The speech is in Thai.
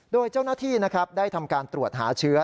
โดยเจ้าหน้าที่นะครับได้ทำการตรวจหาเชื้อ